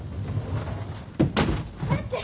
待って。